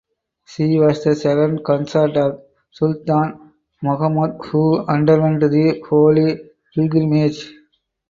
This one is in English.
She was the second consort of Sultan Mahmud who underwent the holy pilgrimage.